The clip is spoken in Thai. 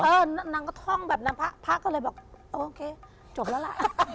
นางก็ท่องแบบนั้นพระพระก็เลยบอกโอเคจบแล้วล่ะ